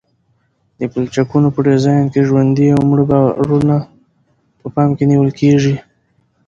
د پلچکونو په ډیزاین کې ژوندي او مړه بارونه په پام کې نیول کیږي